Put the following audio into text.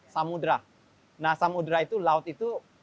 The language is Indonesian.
samudera nah samudera itu laut itu